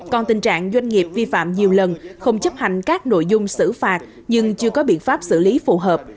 còn tình trạng doanh nghiệp vi phạm nhiều lần không chấp hành các nội dung xử phạt nhưng chưa có biện pháp xử lý phù hợp